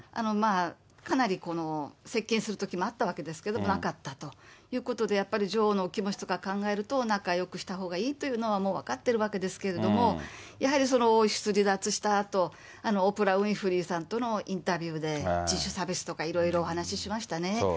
かなり接近するときもあったんですけどなかったということで、やっぱり女王のお気持ちとか考えると、仲よくしたほうがいいというのはもう分かってるわけですけれども、やはりその王室離脱したあと、オプラ・ウィンフリーさんとのインタビューで人種差別とかいろいろ言いましたね。